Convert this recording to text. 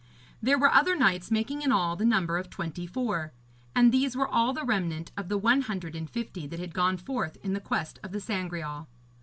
There were other knights, making in all the number of twenty four. And these were all the remnant of the one hundred and fifty that had gone forth in the Quest of the Sangreal.